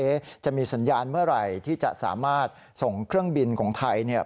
จะมีสัญญาณเมื่อไหร่ที่จะสามารถส่งเครื่องบินของไทยเนี่ย